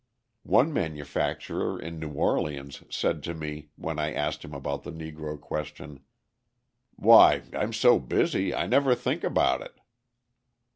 One manufacturer in New Orleans said to me, when I asked him about the Negro question: "Why, I'm so busy I never think about it."